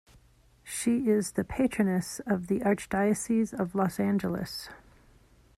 She is the patroness of the Archdiocese of Los Angeles.